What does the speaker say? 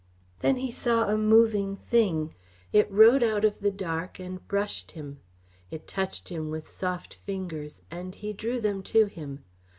Then he saw a moving thing. It rode out of the dark and brushed him. It touched him with soft fingers and he drew them to him.